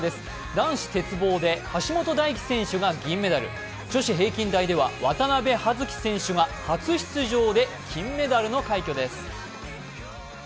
男子鉄棒で橋本大輝選手が銀メダル、女子平均台では渡部葉月選手が初出場で金メダルの快挙です。